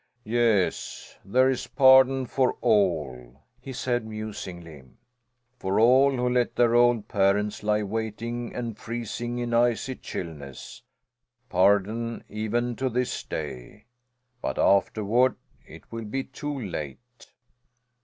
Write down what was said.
"Yes there is pardon for all," he said musingly, "for all who let their old parents lie waiting and freezing in icy chilliness pardon even to this day. But afterward it will be too late!"